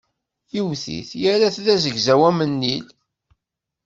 Yewwet-it, yerra-t d azegzaw am nnil.